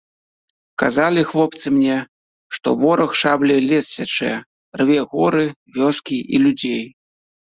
Казалі хлопцы мне, што вораг шабляй лес сячэ, рве горы, вёскі і людзей.